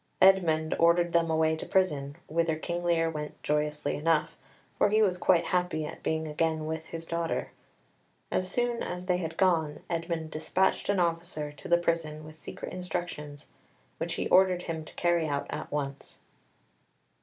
Edmund ordered them away to prison, whither King Lear went joyously enough, for he was quite happy at being again with his daughter. As soon as they had gone, Edmund despatched an officer to the prison with secret instructions, which he ordered him to carry out at once.